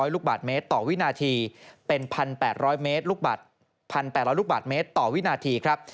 ลูกบาทเมตรต่อวินาทีเป็น๑๘๐๐เมตร๑๘๐๐ลูกบาทเมตรต่อวินาทีครับ